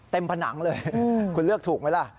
ผนังเลยคุณเลือกถูกไหมล่ะ